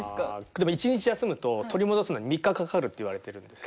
でも１日休むと取り戻すのに３日かかるっていわれてるんです。